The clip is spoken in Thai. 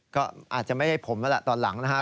ก็อาจจะไม่ได้ผมนั่นแหละตอนหลังนะครับ